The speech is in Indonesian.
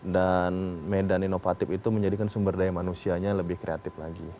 dan medan inovatif itu menjadikan sumber daya manusianya lebih kreatif lagi